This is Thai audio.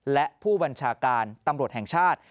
และผู้บัญชาการตำรวจแห่งชาติ